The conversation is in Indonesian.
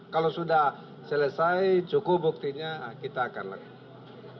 kalau sudah selesai cukup buktinya kita akan lakukan